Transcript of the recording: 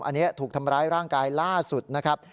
อันนี้ถูกทำร้ายร่างกายล่าสุดนะครับ